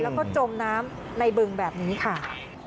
แล้วก็จมน้ำในบึงแบบนี้ค่ะ